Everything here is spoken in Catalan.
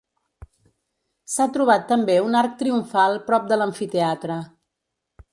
S'ha trobat també un arc triomfal prop de l'amfiteatre.